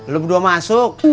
lu berdua masuk